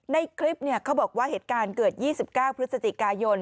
ในคลิปเขาบอกว่าเหตุการณ์เกิด๒๙พฤศจิกายน